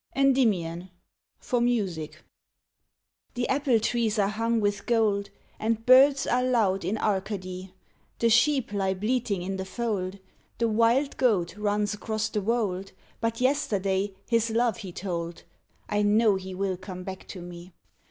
ENDYMION (FOR MUSIC) THE apple trees are hung with gold, And birds are loud in Arcady, The sheep lie bleating in the fold, The wild goat runs across the wold, But yesterday his love he told, I know he will come back to me.